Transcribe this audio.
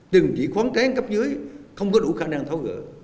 đừng chỉ khoáng tráng cấp dưới không có đủ khả năng thấu gỡ